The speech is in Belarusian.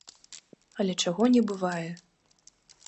Але чаго не бывае!